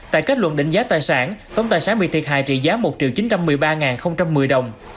tại kết luận đỉnh giá tài sản tổng tài sản bị thiệt hại trị giá một triệu chín trăm một mươi ba một mươi đồng